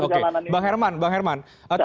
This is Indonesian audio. oke bang herman bang herman